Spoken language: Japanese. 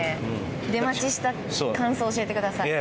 出待ちした感想教えてください。